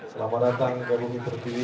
selamat datang ke bumi terpilih